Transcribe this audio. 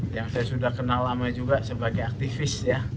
yang saya sudah kenal lama juga sebagai aktivis ya